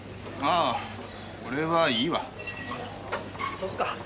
そうっすか。